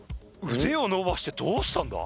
腕を伸ばしてどうしたんだ？